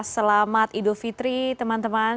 selamat idul fitri teman teman